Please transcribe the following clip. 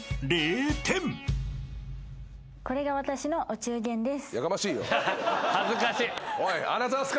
これが私のお中元です。